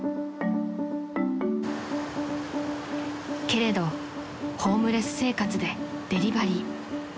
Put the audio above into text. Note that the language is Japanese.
［けれどホームレス生活でデリバリー］